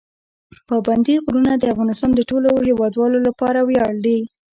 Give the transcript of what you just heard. پابندي غرونه د افغانستان د ټولو هیوادوالو لپاره ویاړ دی.